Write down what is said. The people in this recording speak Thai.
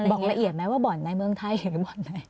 บอกละเอียดไหมว่าบ่อนในเมืองไทยหรือบ่อนไหน